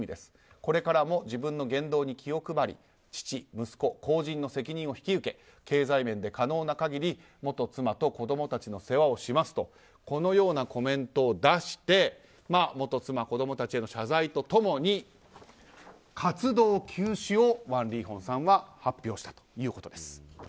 これからも自分の言動に気を配り父、息子、公人の責任を引き受け経済面で可能な限り元妻と子供たちの世話をしますとこのようなコメントを出して元妻、子供たちへの謝罪と共に活動休止をワン・リーホンさんは発表したということです。